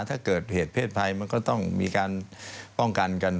ถ้าเกิดเหตุเพศภัยมันก็ต้องมีการป้องกันกัน